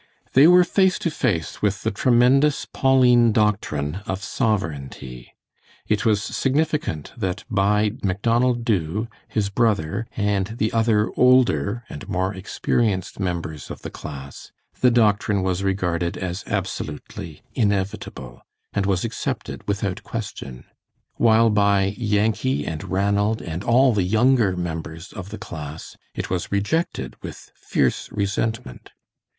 They were face to face with the tremendous Pauline Doctrine of Sovereignty. It was significant that by Macdonald Dubh, his brother, and the other older and more experienced members of the class, the doctrine was regarded as absolutely inevitable and was accepted without question, while by Yankee and Ranald and all the younger members of the class, it was rejected with fierce resentment.